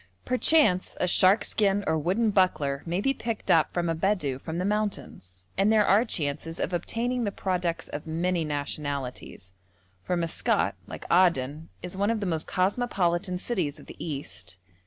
Perchance a shark skin or wooden buckler may be picked up from a Bedou from the mountains, and there are chances of obtaining the products of many nationalities, for Maskat, like Aden, is one of the most cosmopolitan cities of the East.